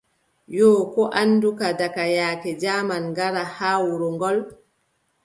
Yoo, koo annduɗa daka yaake jaaman ngara haa wuro ngol ?